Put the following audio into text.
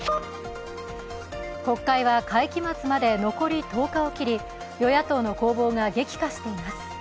国会は会期末まで残り１０日を切り与野党の攻防が激化しています。